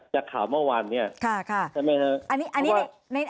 จากข่าวเมื่อวานเนี่ยใช่ไหมฮะ